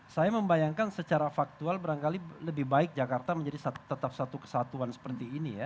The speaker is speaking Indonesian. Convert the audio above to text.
saya membayangkan secara faktual berangkali lebih baik jakarta menjadi tetap satu kesatuan seperti ini ya